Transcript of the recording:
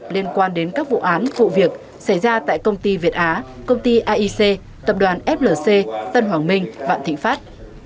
liên quan đến các vụ án vụ việc xảy ra tại công ty việt á công ty aic tập đoàn flc tân hoàng minh vạn thịnh pháp